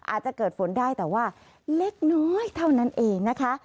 อาจจะเกิดฝนได้แต่ว่าเล็กน้อยเท่านั้นเองนะคะ